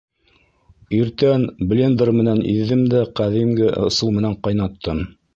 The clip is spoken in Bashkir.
Иртән блендер менән иҙҙем дә ҡәҙимге ысул менән ҡайнаттым.